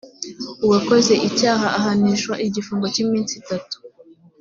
uwakoze icyaha ahanishwa igifungo cy iminsi itatu